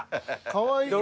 かわいい？